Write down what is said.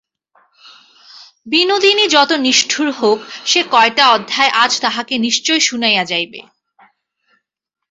বিনোদিনী যত নিষ্ঠুর হোক সে-কয়টা অধ্যায় আজ তাহাকে নিশ্চয় শুনাইয়া যাইবে।